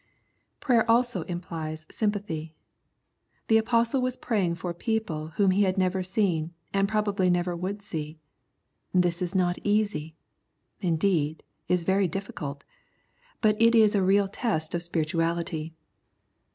Prayer also implies symfathy. The Apostle was praying for people whom he had never seen, and probably never would see. This is not easy — indeed, is very difficult — but it is a real test of spirituality.